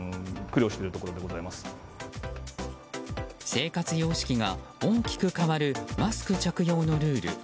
生活様式が大きく変わるマスク着用のルール。